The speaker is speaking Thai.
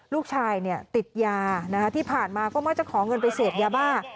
ลูกชายเนี่ยติดยานะคะที่ผ่านมาก็ไม่จะขอเงินไปเสพยาบ้าน